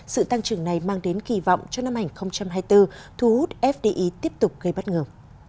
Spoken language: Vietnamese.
sự tăng trưởng này mang đến kỳ vọng cho năm hai nghìn hai mươi bốn thu hút fdi tiếp tục gây bất ngờ